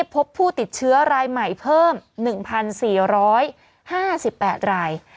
พบผู้ติดเชื้อรายใหม่เพิ่ม๑๔๕๘ราย